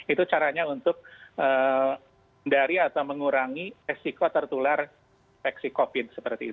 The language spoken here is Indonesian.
itu caranya untuk mengurangi eksiko tertular eksik covid sembilan belas